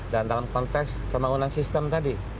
dan dalam konteks pembangunan sistem tadi